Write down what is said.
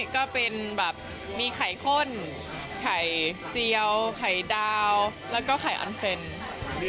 ก็เป็นแบบมีไข่ข้นไข่เจียวไข่ดาวแล้วก็ไข่ออนเฟรนด์